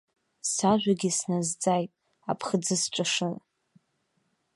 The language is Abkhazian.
Сажәагьы сназҵааит, аԥхӡы сҿашы.